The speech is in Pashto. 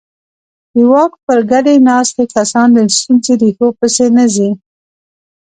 د واک پر ګدۍ ناست کسان د ستونزې ریښو پسې نه ځي.